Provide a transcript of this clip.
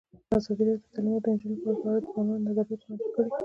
ازادي راډیو د تعلیمات د نجونو لپاره په اړه د ځوانانو نظریات وړاندې کړي.